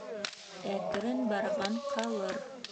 Әкрен барған ҡалыр